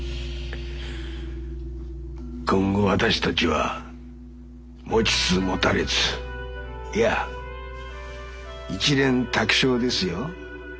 今後私たちは持ちつ持たれついや一蓮托生ですよ。